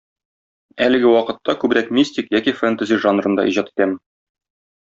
Әлеге вакытта күбрәк мистик яки фэнтези жанрында иҗат итәм.